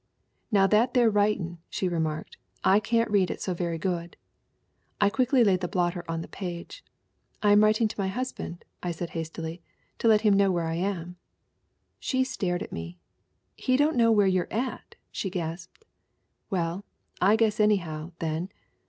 'Now that there writin',' she remarked, 'I can't read it so very good.' , I quickly laid the blotter over the page. 'I am writing to my husband,' I said hastily, 'to let him know where I am.' She stared at me. 'He don't know where you're at ?' she gasped. 'Well, I guess anyhow, then!'